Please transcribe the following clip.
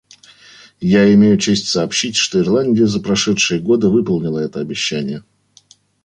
Я имею честь сообщить, что Ирландия за прошедшие годы выполнила это обещание.